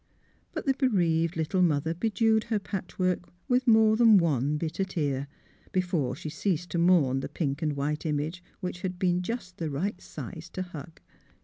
But the bereaved lit tle mother bedewed her patchwork with more than one bitter tear, before she ceased to mourn the pink and white image which had been " just the right size to hug."